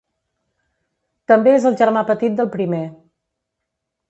També és el germà petit del primer.